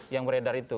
yang beredar itu